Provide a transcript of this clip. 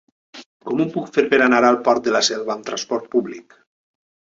Com ho puc fer per anar al Port de la Selva amb trasport públic?